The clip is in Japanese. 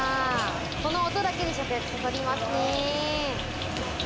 この音だけで食欲をそそりますね。